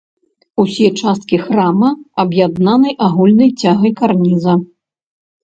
Усе часткі храма аб'яднаны агульнай цягай карніза.